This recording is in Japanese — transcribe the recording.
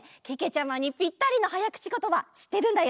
ちゃまにぴったりのはやくちことばしってるんだよ。